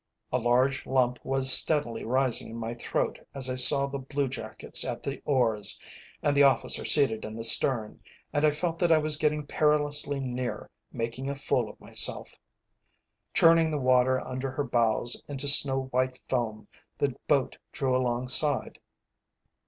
A large lump was steadily rising in my throat as I saw the blue jackets at the oars and the officer seated in the stern, and I felt that I was getting perilously near making a fool of myself. Churning the water under her bows into snow white foam, the boat drew alongside.